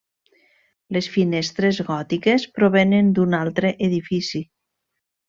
Les finestres gòtiques provenen d'un altre edifici.